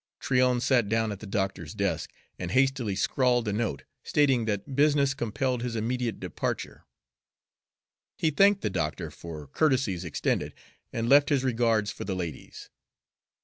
Tryon sat down at the doctor's desk and hastily scrawled a note, stating that business compelled his immediate departure. He thanked the doctor for courtesies extended, and left his regards for the ladies.